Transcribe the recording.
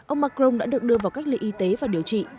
ông macron đã được đưa vào cách ly y tế và điều trị